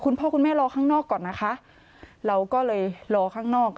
คุณพ่อคุณแม่รอข้างนอกก่อนนะคะเราก็เลยรอข้างนอก